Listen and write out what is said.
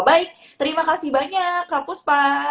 baik terima kasih banyak kak puspa